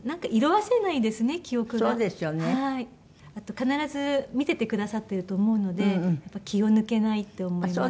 必ず見ててくださってると思うので気を抜けないって思います。